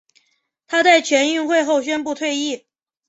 她在全运会后宣布退役。